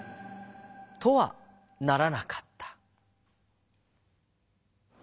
とはならなかった。